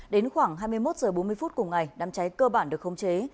đến khoảng hai mươi một h bốn mươi phút cùng ngày đám cháy cơ bản được khống chế